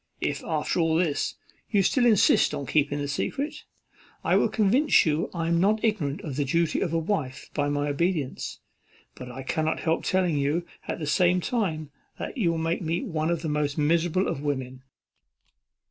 If after all this, you still insist on keeping the secret, I will convince you I am not ignorant of the duty of a wife by my obedience; but I cannot help telling you at the same time you will make me one of the most miserable of women."